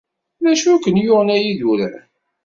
D acu i ken-yuɣen, ay idurar.